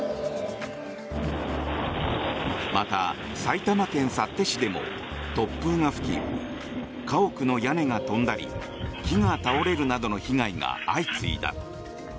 また埼玉県幸手市でも突風が吹き家屋の屋根が飛んだり木が倒れるなどの被害が相次いだ。